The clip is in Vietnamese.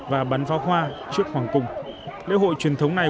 và bắn pháo hoa trước hoàng cung